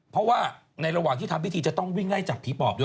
เพราะว่าในระหว่างที่ทำพิธีจะต้องวิ่งไล่จับผีปอบด้วย